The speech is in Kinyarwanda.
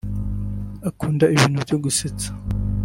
Akunda ibintu byo gusetsa